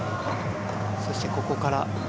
そしてここから。